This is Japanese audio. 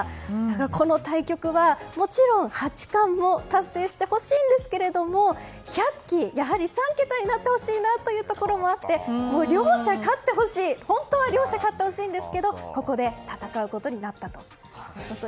この対局はもちろん八冠も達成してほしいですが１００期、やはり３桁になってほしいというところもあり本当は両者に勝ってほしいんですけどここで戦うことになったと。